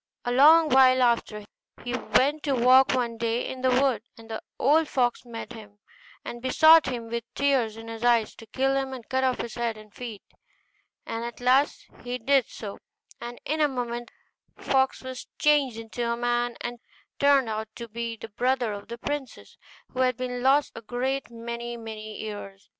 A long while after, he went to walk one day in the wood, and the old fox met him, and besought him with tears in his eyes to kill him, and cut off his head and feet. And at last he did so, and in a moment the fox was changed into a man, and turned out to be the brother of the princess, who had been lost a great many many years.